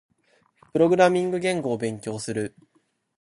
プログラミング言語を勉強する。